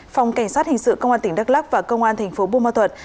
phòng cảnh sát hình sự công an tỉnh đắk lắc và công an thành phố bùa ma thuật